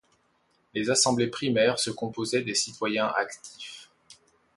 Les assemblées primaires se composaient des citoyens actifs.